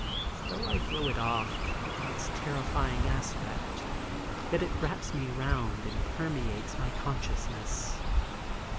Though I throw it off, in its terrifying aspect, yet it wraps me round and permeates my consciousness.